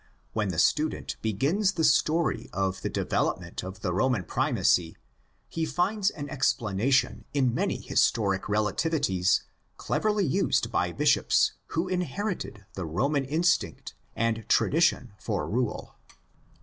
When the student begins the story of the development of the Roman primacy he finds an explanation in many historic relativities cleverly used by bishops who inherited the Roman instinct and tradition for rule.